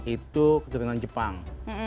itu keturunan jepang